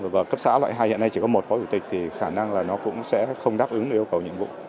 và cấp xã loại hai hiện nay chỉ có một phó chủ tịch thì khả năng là nó cũng sẽ không đáp ứng được yêu cầu nhiệm vụ